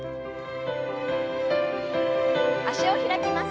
脚を開きます。